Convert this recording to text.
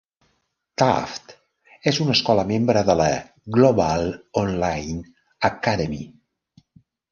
Taft és una escola membre de la Global Online Academy.